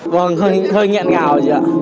vâng hơi nghiện ngào chị ạ